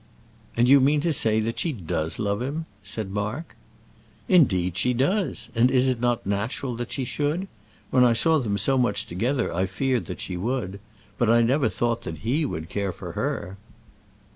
"And you mean to say that she does love him?" said Mark. "Indeed she does; and is it not natural that she should? When I saw them so much together I feared that she would. But I never thought that he would care for her."